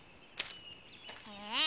えっ？